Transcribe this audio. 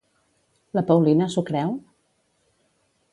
La Paulina s'ho creu?